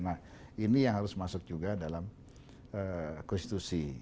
nah ini yang harus masuk juga dalam konstitusi